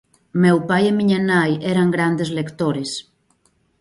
Meu pai e miña nai eran grandes lectores.